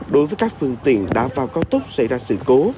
đối với các phương tiện đã vào cao tốc xảy ra sự cố